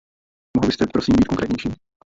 Mohl byste prosím být konkrétnější?